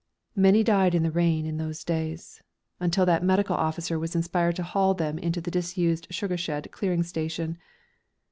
Many died in the rain in those days, until that Medical Officer was inspired to haul them into the disused sugar shed clearing station.